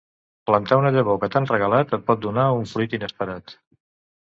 Plantar una llavor que t'han regalat et pot donar un fruit inesperat